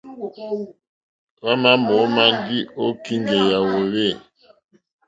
Hwámà mǒmá ndí ô kíŋgɛ̀ yà hwòhwê.